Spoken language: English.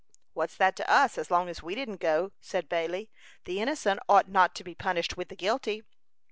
"What's that to us, as long as we didn't go?" said Bailey. "The innocent ought not to be punished with the guilty."